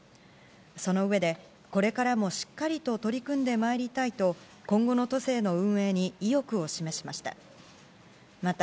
そのうえでこれからもしっかりと取り組んでまいりたいと今後の都政の運営に意欲を示しました。